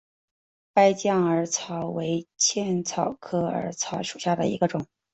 败酱耳草为茜草科耳草属下的一个种。